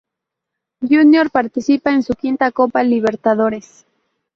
Junior participa en su quinta Copa Libertadores.